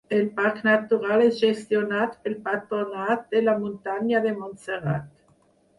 El Parc Natural és gestionat pel Patronat de la Muntanya de Montserrat.